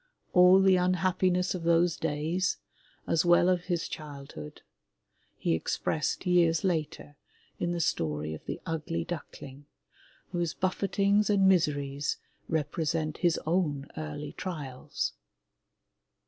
All the imhappiness of those days, as well as of his child hood, he expressed years later in the story of the Ugly Duckling, whose bufferings and miseries represent his own early trials.